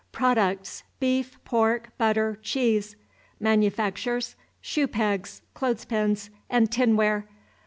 Products, beef, pork, butter, cheese. Manufactures, shoe pegs, clothes pins, and tin ware.